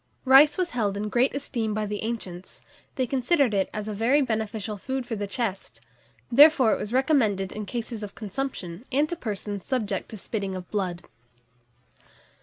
RICE was held in great esteem by the ancients: they considered it as a very beneficial food for the chest; therefore it was recommended in cases of consumption, and to persons subject to spitting of blood.